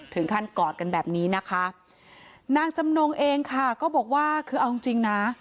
กอดกันแบบนี้นะคะนางจำนงเองค่ะก็บอกว่าคือเอาจริงจริงนะ